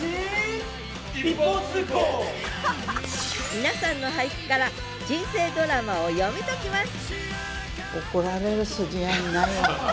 皆さんの俳句から人生ドラマを読み解きます